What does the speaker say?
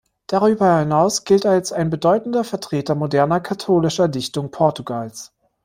Darüber hinaus gilt er als ein bedeutender Vertreter moderner katholischer Dichtung Portugals.